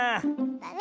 だね！